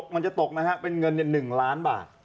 มันจะตกนะฮะเป็นเงิน๑ล้านบาท